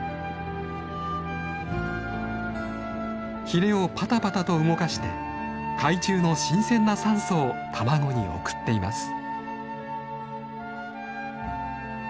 ヒレをパタパタと動かして海中の新鮮な酸素を卵に送っています。